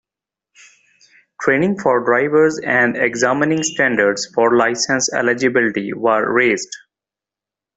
Training for drivers and examining standards for license eligibility were raised.